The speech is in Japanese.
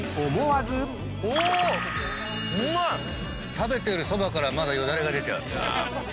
食べてるそばからまだよだれが出ちゃう。